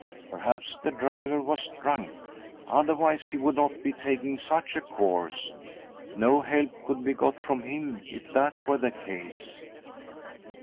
Perhaps the driver was drunk, otherwise he would not be taking such a course. No help could be got from him if that were the case